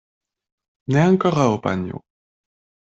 Ne ankoraŭ, panjo.